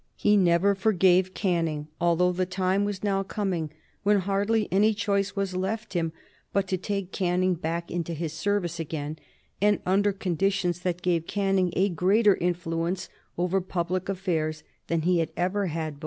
He never forgave Canning, although the time was now coming when hardly any choice was left him but to take Canning back into his service again, and under conditions that gave Canning a greater influence over public affairs than he had ever had before.